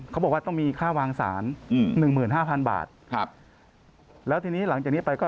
เขาบอกว่าต้องมีค่าวางสาร๑๕๐๐๐บาทที่นี้หลังจากนี้